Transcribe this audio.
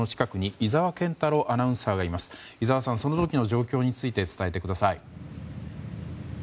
井澤さん、その時の状況について伝えてください。